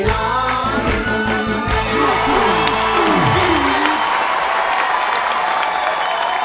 ในวันที่๓มูลค่า๔๐๐๐๐บาท